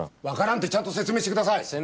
わからんってちゃんと説明してください！